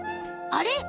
あれ？